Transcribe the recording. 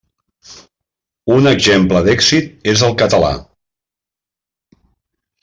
Un exemple d'èxit és el català.